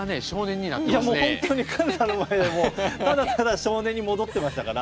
もう本当にカズさんの前でもうただただ少年に戻ってましたから。